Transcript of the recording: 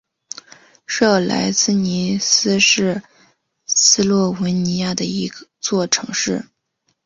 热莱兹尼基是斯洛文尼亚的一座城市。